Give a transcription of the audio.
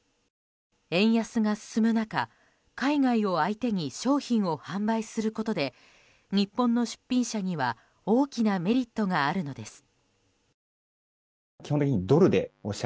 円安が進む中、海外を相手に商品を販売することで日本の出品者には大きなメリットがあるのです。